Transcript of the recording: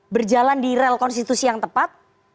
berjalan di rel konstitusi yang tepat